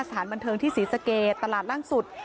สถานบันเทิงที่ศรีสะเกดตลาดล่างสุด